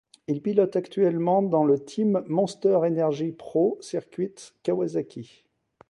Il pilote actuellement dans le team Monster Energy Pro Circuit Kawasaki.